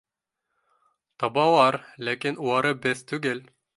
— Табалар, ләкин улары беҙ түгел